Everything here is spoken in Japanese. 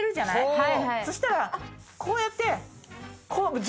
そしたらこうやってこう。